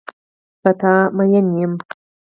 په تا مین یم.